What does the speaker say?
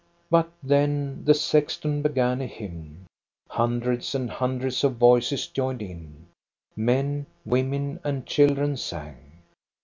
But then the sex ton began a hymn. Hundreds and hundreds of voices joined in. Men, women, and children sang.